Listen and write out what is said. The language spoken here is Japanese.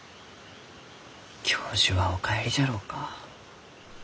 教授はお帰りじゃろうか？